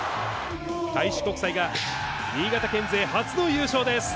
開志国際が、新潟県勢初の優勝です。